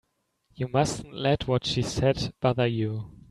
You mustn't let what she said bother you.